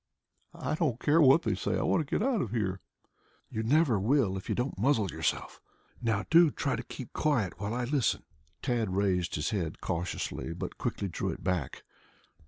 "I don't care what they say. I want to get out of here." "You never will if you don't muzzle yourself. Now do try to keep quiet while I listen." Tad raised his head cautiously, but quickly drew it back.